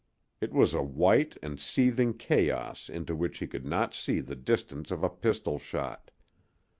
It was a white and seething chaos into which he could not see the distance of a pistol shot.